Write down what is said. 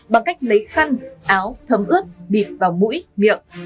bằng cách lấy khăn áo thấm ướt bịt vào mũi miệng